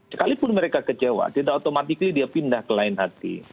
sekalipun mereka kecewa tidak otomatis dia pindah ke lain hati